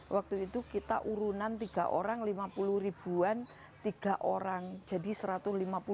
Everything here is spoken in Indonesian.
waktu itu kita urunan tiga orang lima puluh ribuan tiga orang jadi satu ratus lima puluh